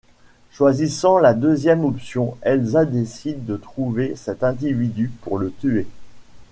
Choisissant la deuxième option, Elsa décide de trouver cet individu pour le tuer.